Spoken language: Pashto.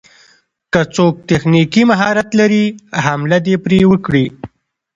که څوک تخنيکي مهارت لري حمله دې پرې وکړي.